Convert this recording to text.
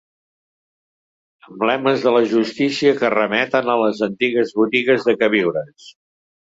Emblemes de la justícia que remeten a les antigues botigues de queviures.